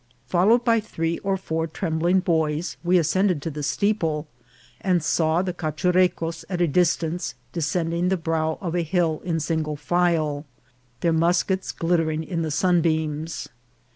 Followed by three or four trembling boys, we ascended to the steeple, and saw the Cachurecos at a distance, descending the brow of a hill in single file, their muskets glittering in the sunbeams.